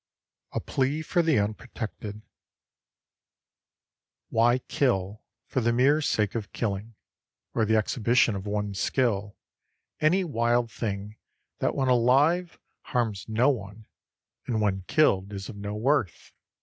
XXXI A PLEA FOR THE UNPROTECTED Why kill, for the mere sake of killing or the exhibition of one's skill, any wild thing that when alive harms no one and when killed is of no worth?